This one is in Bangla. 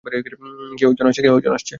কেউ একজন আসছে?